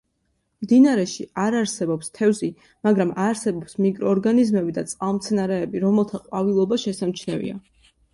მდინარეში არ არსებობს თევზი, მაგრამ არსებობს მიკროორგანიზმები და წყალმცენარეები, რომელთა ყვავილობა შესამჩნევია.